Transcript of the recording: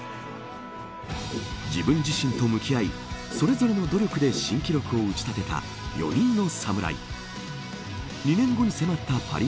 自分自身と向き合いそれぞれの努力で新記録を打ち立てた４人の侍。